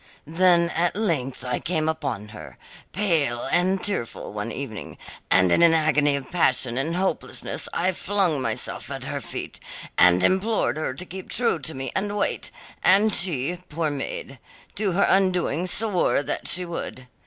Then at length I came upon her, pale and tearful, one evening, and in an agony of passion and hopelessness I flung myself at her feet, and implored her to keep true to me and wait, and she, poor maid, to her undoing swore that she would.